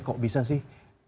kok bisa sih